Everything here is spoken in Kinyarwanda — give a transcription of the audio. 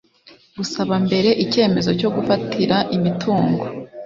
gusaba mbere icyemezo cyo gufatira imitungo